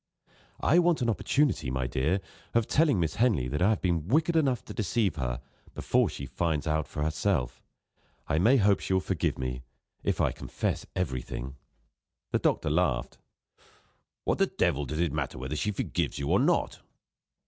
"I want an opportunity, my dear, of telling Miss Henley that I have been wicked enough to deceive her, before she finds it out for herself. I may hope she will forgive me, if I confess everything." The doctor laughed: "What the devil does it matter whether she forgives you or not?"